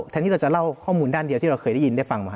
แทนที่เราจะเล่าข้อมูลด้านเดียวที่เราเคยได้ยินได้ฟังมา